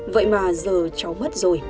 vậy mà giờ cháu mất rồi